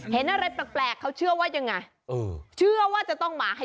เห็นอะไรแพร่เขาเชื่อว่าจะต้องแบบยิงไง